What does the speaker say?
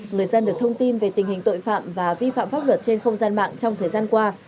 người dân được thông tin về tình hình tội phạm và vi phạm pháp luật trên không gian mạng trong thời gian qua